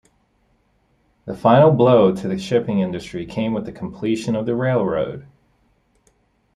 The final blow to the shipping industry came with the completion of the railroad.